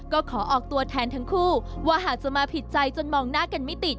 ก็ขอออกตัวแทนทั้งคู่ว่าหากจะมาผิดใจจนมองหน้ากันไม่ติด